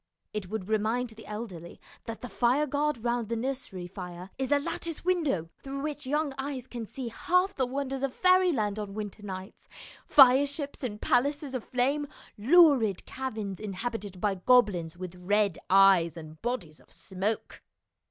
It would remind the elderly that the fireguard round the nursery fire is a lattice window through which young eyes can see half the wonders of fairyland on winter nights, fireships and palaces of flame, lurid caverns inhabited by goblins with red eyes and bodies of smoke.